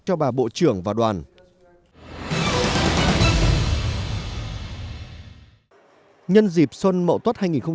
để một người đàn ông làm việc và sống trong